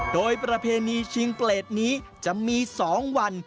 โดยประเพณีชิงเปรตนี้จะมี๒วัน